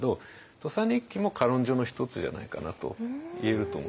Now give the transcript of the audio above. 「土佐日記」も歌論書の一つじゃないかなといえると思いますね。